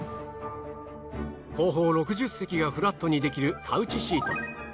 後方６０席がフラットにできるカウチシート。